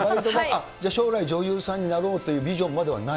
将来、女優さんになろうというビジョンまではない？